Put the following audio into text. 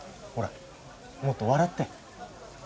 ほらもっと笑って。